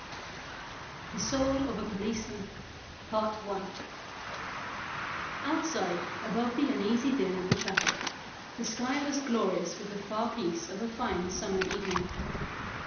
THE SOUL OF A POLICEMAN OUTSIDE, above the uneasy din of the traffic, the sky was glorious with the far peace of a fine summer evening.